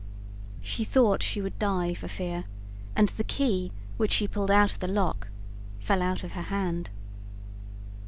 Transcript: She thought she would die for fear, and the key, which she pulled out of the lock, fell out of her hand.